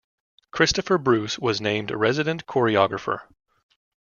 Christopher Bruce was named resident choreographer.